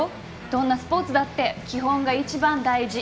どんなスポーツだって基本が一番大事。